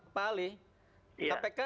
pertanyaannya yang kedua pak rally